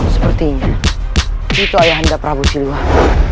sepertinya itu ayahanda prabu siliwak